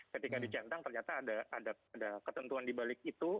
ketika dicentang ternyata ada ketentuan di balik itu